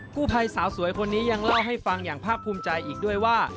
ผู้ภัยสาวสวยคนนี้ยังเล่าให้ฟังอย่างภาคภูมิใจอีกด้วยว่า